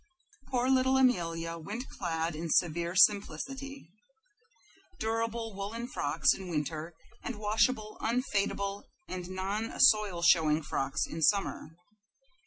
Poor little Amelia went clad in severe simplicity; durable woolen frocks in winter, and washable, unfadable, and non soil showing frocks in summer.